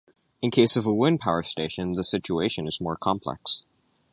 In the case of a wind power station, the situation is more complex.